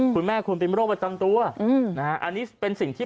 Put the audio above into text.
คุณแม่คุณเป็นโรคประจำตัวนะฮะอันนี้เป็นสิ่งที่